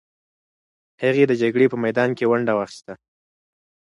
هغې د جګړې په میدان کې ونډه واخیسته.